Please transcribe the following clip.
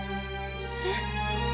えっ？